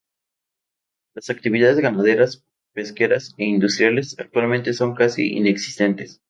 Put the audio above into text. Las actividades ganaderas, pesqueras e industriales, actualmente, son casi inexistentes.